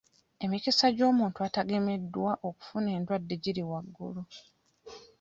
Emikisa gy'omuntu atagameddwa okufuna endwadde giri waggulu.